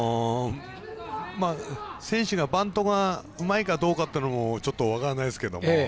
選手がバントがうまいかどうかというのも分からないですけど